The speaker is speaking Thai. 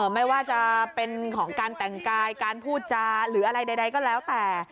ไม่ว่าจะเป็นของการแต่งกายการพูดจาหรืออะไรใดก็แล้วแต่